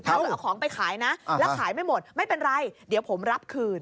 ถ้าเผื่อเอาของไปขายนะแล้วขายไม่หมดไม่เป็นไรเดี๋ยวผมรับคืน